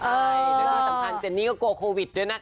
ใช่แล้วที่สำคัญเจนนี่ก็กลัวโควิดด้วยนะคะ